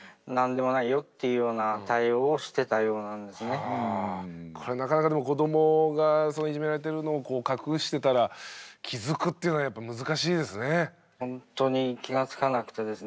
本人はやはりあのあ。ですのではあ。これなかなかでも子どもがいじめられてるのをこう隠してたら気付くっていうのはやっぱ難しいですね。